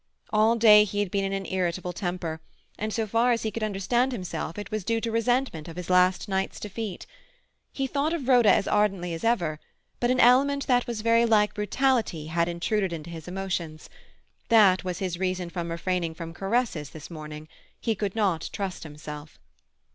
All day he had been in an irritable temper, and so far as he could understand himself it was due to resentment of his last night's defeat. He though of Rhoda as ardently as ever, but an element that was very like brutality had intruded into his emotions; that was his reason from refraining from caresses this morning; he could not trust himself.